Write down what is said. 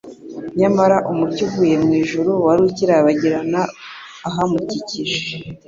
Nyamara umucyo uvuye mu ijuru wari ukirabagirana ahamukikije,